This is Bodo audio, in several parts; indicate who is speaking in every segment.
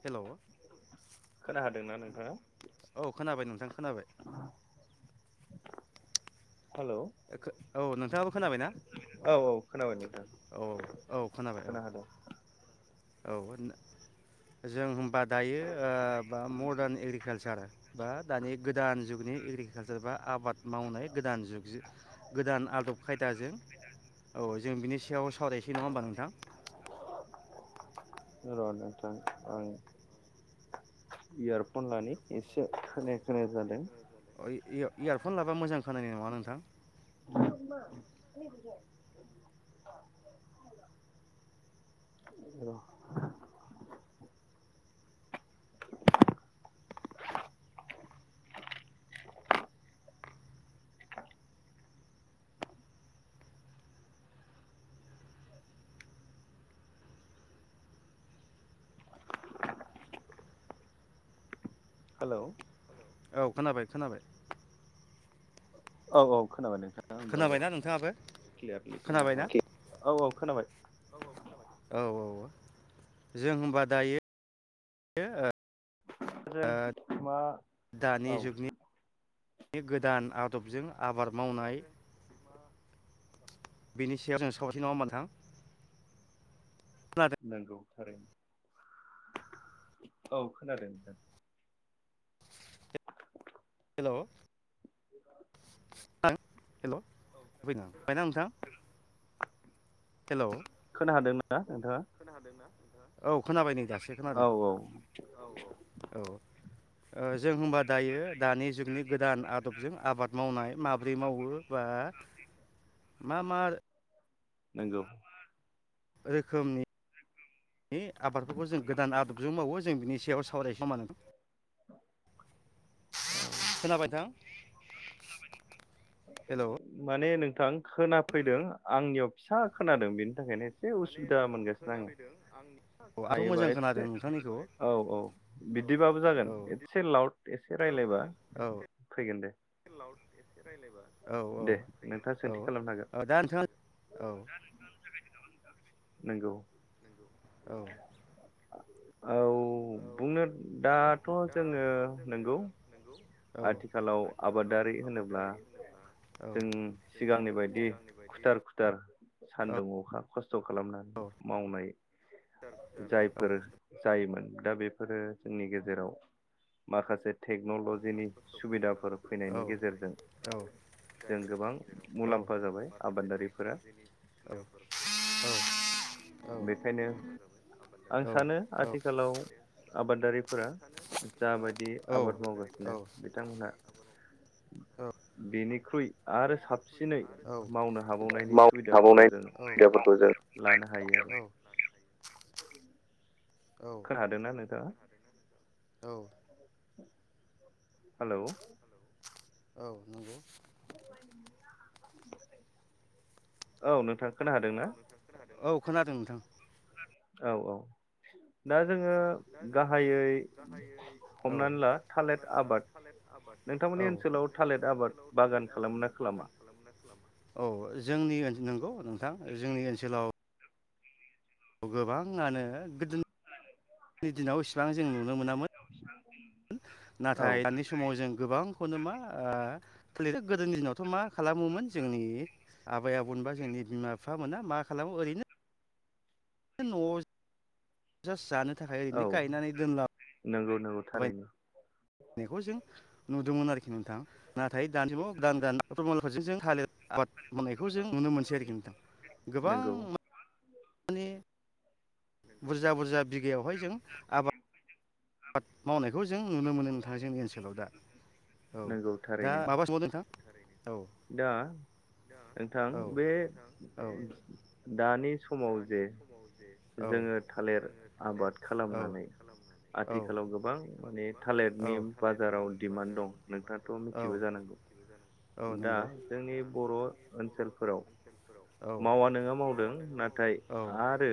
Speaker 1: हेलौ
Speaker 2: खोनाहादोंना नोंथाङा
Speaker 1: औ खोनाबाय नोंथां खोनाबाय।
Speaker 2: हेलौ
Speaker 1: ओ खो औ नोंथांङाबो खोना बायना?
Speaker 2: औ
Speaker 1: औ औ
Speaker 2: खोनाबाय नोंथां
Speaker 1: औ औ औ खोनाबाय औ।
Speaker 2: खोनाहादों
Speaker 1: औ होननो जों होमबा दायो आ बा मदारन एग्रिकालसार बा दानि गोदान जुगनि इ एग्रिकाल्सार बा आबाद मावनाय गोदान जुग जों गोदान आदब खायदाजों औ जों बिनि सायाव सावरायनोसै नंङा होमबा नोंथां?
Speaker 2: र नोंथां आं इयारफन लानि एसे खोनाय खोनाय जादों।
Speaker 1: आय इअ' इयारफन लाब्ला मोजां खोनानाय नंङा नोंथां।
Speaker 2: मा ख्रि र' [inaudible] [inaudible] हेलौ
Speaker 1: औ खोनाबाय खोनाबाय।
Speaker 2: औ औ खोनाबाय नोंथां आंबो एबार
Speaker 1: खोनाबायना नोंथाङाबो
Speaker 2: क्लियारलि खोना
Speaker 1: खोनाबायना
Speaker 2: खाबाय औ औ खोनाबाय।
Speaker 1: औ औ जों होमबा दायो।
Speaker 2: जों
Speaker 1: आ
Speaker 2: मा
Speaker 1: दानि
Speaker 2: औ
Speaker 1: जुगनि नि गोदान आदबजों आबाद मावनाय बेनि सायाव जों सावरायनो सै नंङा होमबा नोंथां? खोनादों
Speaker 2: नंगौ थारैनो औ खोनादों नोंथां।
Speaker 1: हेलौ
Speaker 2: [unintelligible]
Speaker 1: आं हेलौ [unintelligible] बायना नोंथां? हेलौ
Speaker 2: ना नोंथाङा?
Speaker 1: औ खोनाबाय नै दासो
Speaker 2: औ
Speaker 1: खोनादों।
Speaker 2: औ
Speaker 1: औ ओ जों होनबा दायो दानि जुगनि गोदान आदबजों आबाद मावनाय माब्रै मावो बा
Speaker 2: औ दे
Speaker 1: मा मा
Speaker 2: नोंगौ।
Speaker 1: रोखोमनि बे आबादफोरखौ जों गोदान आदबजों मावो। जों बिनि सायाव सावरायसै नङा ओमबा नों
Speaker 2: औ
Speaker 1: खोनाबाय नोथां? हेल' औ
Speaker 2: माने नों थां खोनाफैदों आंनियाव फिसा खोनादों बेनि थाखायनो एसे उसुबिदा मोनगासिनो आंङो।
Speaker 1: आंथ'
Speaker 2: हायोबा
Speaker 1: मोजां
Speaker 2: एनसे
Speaker 1: खोनादों नोंथांनिखौ
Speaker 2: औ औ बे दिबाबो
Speaker 1: औ
Speaker 2: जागोन एसे लावउड एसे रायलायबा
Speaker 1: औ
Speaker 2: फैगोन दे।
Speaker 1: औ
Speaker 2: दे
Speaker 1: औ
Speaker 2: नोंथाङा
Speaker 1: औ
Speaker 2: सोंथि खालामनो हागोन
Speaker 1: ओ दा नोंथां औ
Speaker 2: नंगौ।
Speaker 1: औ
Speaker 2: औ बुंनो दाथ' जोङो नंगौ
Speaker 1: औ
Speaker 2: आथिखालाव आबादारि होनोब्ला
Speaker 1: औ
Speaker 2: जों सिगांनि बायदि खुथार खुथार सान्दुं अखा खस्थ' खालामनानै मावनाय
Speaker 1: खुथार खुथार औ
Speaker 2: जायफोर दा बेफोरो जोंनि गेजेराव माखासे टेकनलजिनि सुबिदा फोर फैनायनि गेजेरजों जों
Speaker 1: जायगानि
Speaker 2: गोबां
Speaker 1: गेजेराव औ
Speaker 2: मुलाम्फा जाबाय
Speaker 1: माखासे
Speaker 2: आबादारिफोरा
Speaker 1: टेक्न'लजिनि जफोरखौ
Speaker 2: बेखायनो आं सानो आथिखालाव आबादारिफोरा जाबायदि
Speaker 1: जों
Speaker 2: आबाद मावगासिनो
Speaker 1: औ
Speaker 2: बिथांमोनहा [inaudible] बेनिख्रुइ आरो साबसिनै मावनो हाबावनायनि सुबिदाफोरखौ जों लानो हाग हायो आरो खोनादोंना नोंथाङा?
Speaker 1: [inaudible]
Speaker 2: हेलौ
Speaker 1: औ नंगौ
Speaker 2: [inaudible] औ नोंथाङा खोनादोंना?
Speaker 1: औ खोनादों नोंथां।
Speaker 2: औ औ दा जोङो गाहायै हमनानै
Speaker 1: [unintelligible]
Speaker 2: नोंथांमोनि ओनसोलाव थालिर आबाद बागान खालाम ना खालामा?
Speaker 1: औ जोंनि नंगौ नोंथां जोंनि ओनसोलाव गोबाङानो गोदोनि दिनाव इसेबां जों नु नुनो मोनामोन
Speaker 2: औ
Speaker 1: नाथाय दानि समाव जों गोबांखौनो मा ओ फलि गोदोनि दिनावथ' मा खालामोमोन जोंनि आबै आबमोनबा जोंनि बिमा बिफा मोना मा खालामो ओरैनो न'आव जास्त जानो थाखाय
Speaker 2: औ
Speaker 1: ओरैनो गायनानै दोनला
Speaker 2: नंगौ नंगौ थारैनो
Speaker 1: नायखौ जों नुदोंमोन आरोखि नोंथां नाथाय दानिसिमाव दान फोरजों जों थालिर आबाद मावनायखौ जों नुनो मोनसै आरोखि नोंथां गोबां
Speaker 2: नंगौ
Speaker 1: मान बुरजा बुरजा बिगायावहाय जों आबाद आबाद मावनायखौ जों नुनो मोनो नोंथाङा जोंनि ओनसोलाव दा औ
Speaker 2: नंगौ
Speaker 1: दा
Speaker 2: थारैनो
Speaker 1: माबा सोंबावनो नोंथां औ
Speaker 2: दा नोंथां
Speaker 1: औ
Speaker 2: बे दानि समाव जे
Speaker 1: औ
Speaker 2: जोङो थालिर आबाद खालामनानै आथिखालाव गोबां माने
Speaker 1: औ
Speaker 2: थालिरनि बाजाराव दिडिमान्ड दं नोंथाङाथ'
Speaker 1: औ
Speaker 2: मिथिगौ जानांगौ [inaudible]
Speaker 1: औ
Speaker 2: दा
Speaker 1: नंगौ
Speaker 2: जोंनि बर' ओनसोलफोराव
Speaker 1: औ
Speaker 2: मावा नोङा मावदों नाथाय नाथाय आरो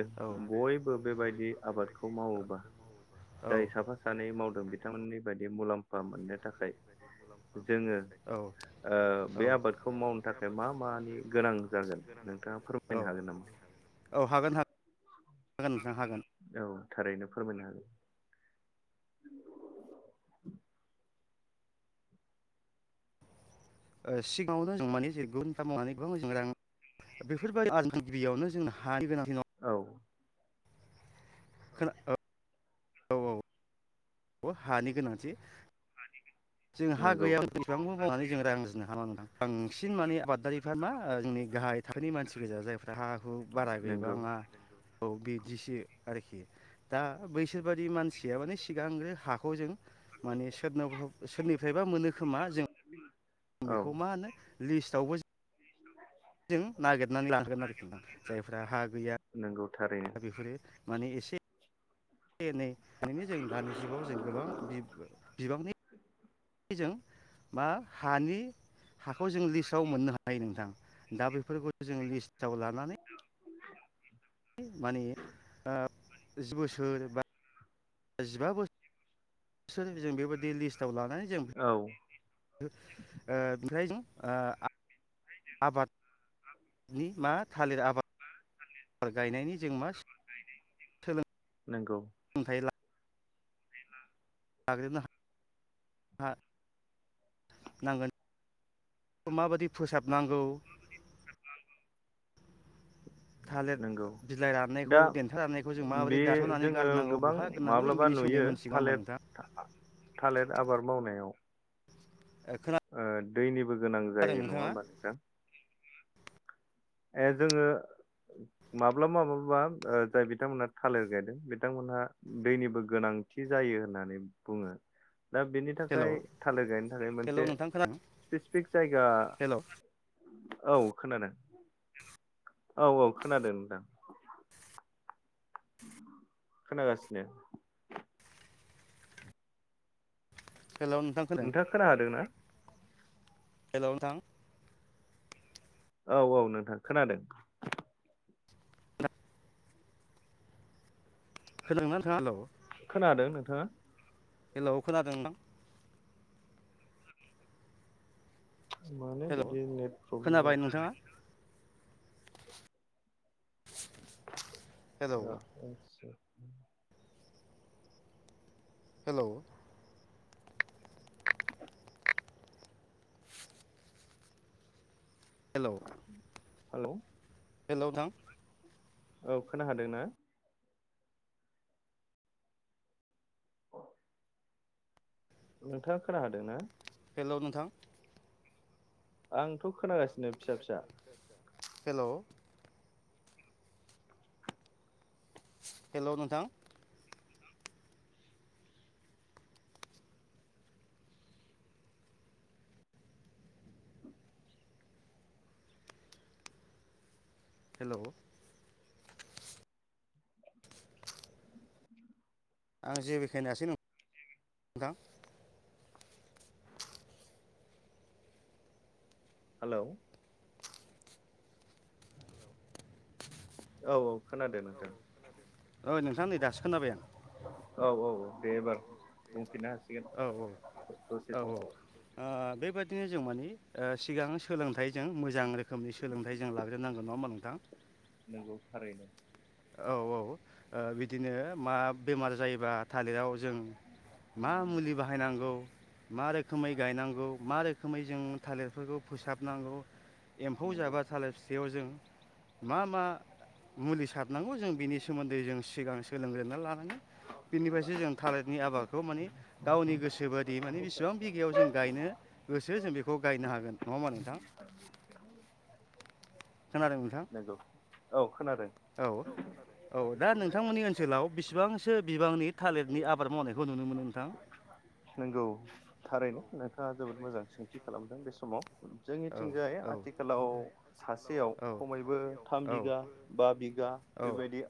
Speaker 2: बयबो बेबायदि आबादखौ मावोबा जाय साफा सानै मावदों बिथांमोननि बायदि मुलाम्फा मोननो थाखाय जोङो
Speaker 1: औ
Speaker 2: ओ
Speaker 1: औ
Speaker 2: बे आबादखौ मावनो थाखाय मा मानि गोनां जागोन नोंथाङा फोरमायनो हागोन नामा? [inaudible]
Speaker 1: औ हागोन हागोन नोंथां हागोन
Speaker 2: औ थारैनो फोरमायनो हागोन
Speaker 1: ओ सिगाङावनो जों माने जेरै गुबुनफा मावनानै गोबां जों रां बेफोरबायदि आ गिबियावनो जोंनो हानि गोनांथिनाव
Speaker 2: [inaudible]
Speaker 1: [unintelligible] ब हानि गोनांथि [unintelligible]
Speaker 2: नंगौ
Speaker 1: नोंथांङा मा जोंनि गाहाय थाखोनि मानसि गोजा जायफ्रा हा हु बारा
Speaker 2: नंगौ
Speaker 1: गैबाङा औ बिदिसो आरोखि दा बैसोर बादि मानसिया माने सिगांग्रो हाखौ जों माने सोदनोब सोरनिफ्रायबा मोनो खोमा जों
Speaker 2: औ
Speaker 1: बेखौ मा होनो लिस्टावबो दों नागिरनानै लागोन आरोखि ना जायफ्रा हा गैया
Speaker 2: नंगौ थारैनो
Speaker 1: दा बेफोरो माने एसे एनै बेनो जों दानि जुगाव जों गोबां बिबांनि जों बा हानि हाखौ जों लिस्टाव मोननो हायो नोंथां दा बेफोरखौ जों लिस्टाव लानानै माने जि बोसोर बा जिबा बोसोरजों बेबायदि लिस्टआव ला
Speaker 2: औ
Speaker 1: ओ ओमफ्राय जों आबाद नि मा थालिर आबाद गायनायनि जों मा सोलों
Speaker 2: नोंगौ
Speaker 1: थाय ला ग्रोनो हा नांगोन माबायदि फोसाबनांगौ
Speaker 2: नंगौ
Speaker 1: थालिर बिलाइ राननायखौ
Speaker 2: दा
Speaker 1: देन्था राननायखौ जों माबायदि
Speaker 2: बे
Speaker 1: दानसनानै
Speaker 2: जोङो
Speaker 1: गारनांगौ
Speaker 2: गोबां
Speaker 1: बहा गोरनांगौ जों
Speaker 2: माब्लाबा
Speaker 1: बिनि सोमोनदै
Speaker 2: नुयो
Speaker 1: मिथिगौ होमबा
Speaker 2: थालिर
Speaker 1: नोंथा
Speaker 2: थालिर आबाद मावनायाव
Speaker 1: नोंथां
Speaker 2: ओ दैनिबो गोनां जायो
Speaker 1: खोनादों
Speaker 2: नंङा
Speaker 1: नोंथाङा
Speaker 2: होमबा नोंथा ए जोंङो माब्लाबा माब्लाबा जाय ओ बिथांमोनहा थालिर गायदों बिथांमोनहा दैनिबो गोनां थि जायो होननानै बुंङो दा बेनि
Speaker 1: हेलौ
Speaker 2: थाखाय थालिर गायनो थाखाय
Speaker 1: हेलौ
Speaker 2: मोनसे
Speaker 1: नोंथां खोनादों
Speaker 2: स्पेसिफिक जायगा
Speaker 1: हेलौ
Speaker 2: औ खोनादों औ औ खोनादों नोथां खोनागासिनो नोंथाङा खोनाहादों ना
Speaker 1: हेलौ नोंथां
Speaker 2: औ औ नोंथां खोनादों
Speaker 1: खोनादोंना नोंथां आ हेलौ
Speaker 2: खोनादों नोंथाङा
Speaker 1: हेलौ खोनादों
Speaker 2: मानो
Speaker 1: हेलौ
Speaker 2: बिदि नेट प्रब्लेम
Speaker 1: खोनाबाय नोंथाङा
Speaker 2: जाबाय
Speaker 1: hello
Speaker 2: [unintelligible]
Speaker 1: hello hello
Speaker 2: hello
Speaker 1: hello नोंथां
Speaker 2: औ खोनाहादों ना नोंथाङा खोनाहादोंना
Speaker 1: हेलौ नोंथां
Speaker 2: आंथ' खोनागासिनो फिसा फिसा
Speaker 1: हेलौ हेलौ नोंथां हेलौ आं जेबोखोनायासै नोंथां
Speaker 2: हेलौ औ औ खोनादों नोंथां
Speaker 1: ओ नोंथां नै दासो खोनाबाय आं।
Speaker 2: औ औ औ दे एबार बुंफिननो
Speaker 1: औ औ
Speaker 2: हासिगोन दसे समखौ
Speaker 1: बेबायदिनो जों माने सिगां सोलोंथाइ जों मोजां रोखोमनि सोलोंथाइ जों लाग्रोनांगोन नङा होमबा नोंथां?
Speaker 2: नोंगौ थारैनो।
Speaker 1: औ औ ओ बिदिनो मा बेमार जायोबा थालिराव जों मा मुलि बाहायनांगौ मा रोखोमै गायनांगौ मा रोखोमै जों थालिरफोरखौ फोसाबनांगौ एम्फौ
Speaker 2: नंगौ
Speaker 1: जाबा थालिर फिथायाव जों मा मा मुलि सार रो जों बिनि सोमोन्दै जों सिगां सोलोंग्रोना लानांगोन बिनिफ्रायसो जों थालिरनि आबादखौ माने गावनि गोसो बादि माने बिसेबां बिगायाव जों गायनो गोसो जों बेखौ गायनो हागोन नङा होमबा नोंथां? खोनादों नोंथां
Speaker 2: नोंगौ औ खोनादों।
Speaker 1: औ औ दा नोंथांमोननि ओनसोलाव बिसिबांसो बिबांनि थालिरनि आबाद मावनायखौ नुनो मोनो नोंथां?
Speaker 2: नोंगौ थारैनो। नोंथाङा जोबोद मोजां सोंथि खालामदों बे समाव
Speaker 1: औ
Speaker 2: जोंनिथिंजाय आ
Speaker 1: औ
Speaker 2: आथिखालाव सासेयाव
Speaker 1: औ
Speaker 2: खमैबो थाम बिगा बा बिगा बेबायदि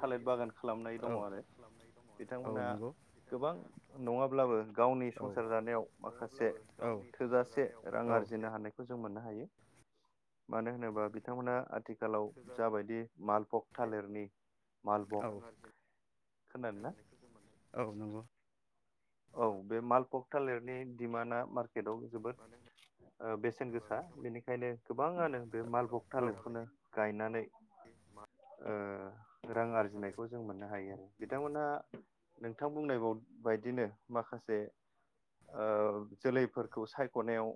Speaker 2: थालिर बागान खालामनाय दङ आरो।
Speaker 1: औ
Speaker 2: बिथांमोना
Speaker 1: नंगौ
Speaker 2: गोबां नङाब्लाबो गावनि संसार जानायाव माखासे थोजासे रां
Speaker 1: जानायाव
Speaker 2: आरजिनो हानायखौ जों मोननो हायो। मानो होनोबा बिथांमोना आथिखाल खालाव जाबायदि मालभक थालिरनि
Speaker 1: औ
Speaker 2: मालभक
Speaker 1: औ
Speaker 2: खोनादोना?
Speaker 1: औ नंगौ।
Speaker 2: औ बे मालभक थालिरनि दिमान्डआ मारके केटआव जोबोद ओ बेसेन गोसा बेनिखायनो गोबाङानो बे मालभग
Speaker 1: औ
Speaker 2: थालिरखोनो गायनानै ओ रां आरजिनायखौ जों मोननो हायो आरो बिथांमोनहा नोंथां बुंनाय बुद बायदिनो माखासे ओ जोलैफोरखौ सायखनायाव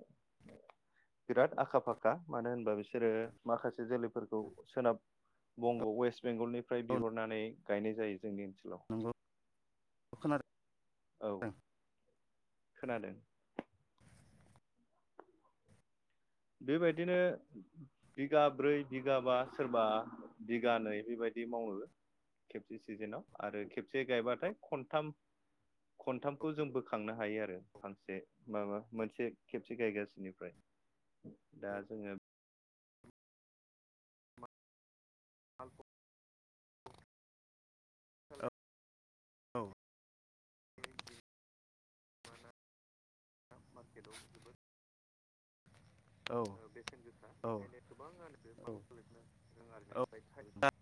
Speaker 2: बिराद आखा फाखा मानो होनबा बिसोरो माखासे जोलैफोरखौ सोनाब बंग वेस्ट बेंगलनिफ्राय
Speaker 1: औ
Speaker 2: बिहरनानै गायनाय जायो जोंनि ओनसोलाव
Speaker 1: नंगौ खोनादों
Speaker 2: औ खोनादों। बेबायदिनो बिगा ब्रै बिगा बा सोरबा बिगानैै बेबायदि दि मावो खेबसे सिजोनाव आरो खेबसे गायबाथाय खनथाम खनथामखौ जों बोखांनो हायो आरो फांसे माबा मोनसे खेबसे गायगासिनिफ्राय दा जङो
Speaker 1: [unintelligible] औ औ। [unintelligible] औ औ बेसेन गोसा औ [unintelligible] औ।